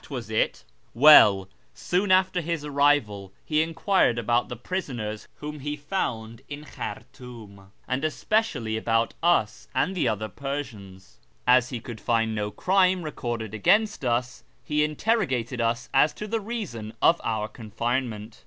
A SHIRAZ jjj soon after his arrival he enquired about the prisoners whom he found in Khartoum, and especially about us and the other Persians. As he could find no crime recorded against us, he interrogated us as to the reason of our confinement.